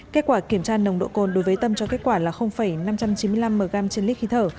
kết quả kiểm tra nồng độ cồn đối với tâm cho kết quả là năm trăm chín mươi năm mg trên lít khí thở